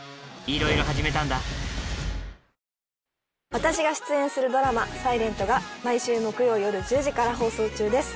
私が出演するドラマ『ｓｉｌｅｎｔ』が毎週木曜夜１０時から放送中です。